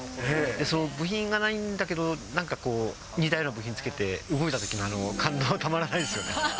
その部品がないんだけど、なんかこう、似たような部品つけて動いたときの感動はたまらないですよね。